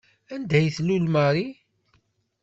Anda ay tlul Marie?